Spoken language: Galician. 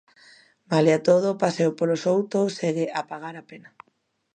Malia todo, o paseo polo souto segue a pagar a pena.